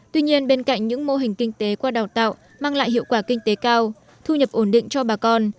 tuy nhiên bên cạnh những mô hình kinh tế qua đào tạo mang lại hiệu quả kinh tế cao thu nhập ổn định cho bà con